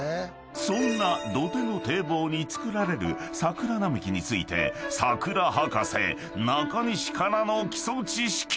［そんな土手の堤防につくられる桜並木について桜博士中西からの基礎知識］